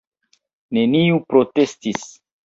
Neniu protestis.